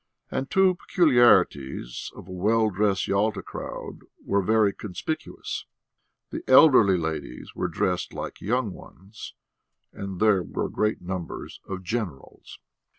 And two peculiarities of a well dressed Yalta crowd were very conspicuous: the elderly ladies were dressed like young ones, and there were great numbers of generals.